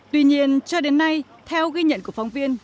tuy nhiên cho đến nay theo ghi nhận của phóng viên